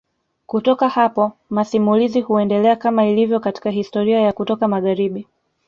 Kutoka hapo masimulizi huendelea kama ilivyo katika historia ya kutoka magharibi